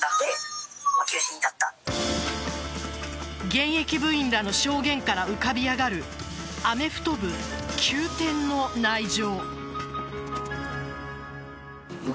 現役部員らの証言から浮かび上がるアメフト部、急転の内情。